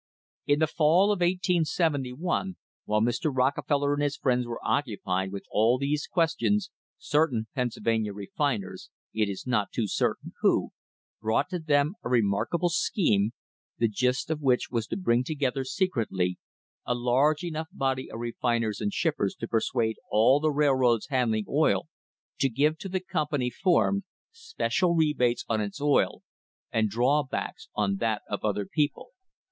In the fall of 1871, while Mr. RocKefeller and his friends THE RISE OF THE STANDARD OIL COMPANY were occupied with all these questions, certain Pennsylvania refiners, it is not too certain who, brought to them a remark able scheme, the gist of which was to bring together secretly a large enough body of refiners and shippers to persuade all the railroads handling oil to give to the company formed special rebates on its oil, and drawbacks on that of other people.